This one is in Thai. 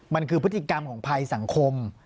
มันคือพฤติกรรมของภัยสังคม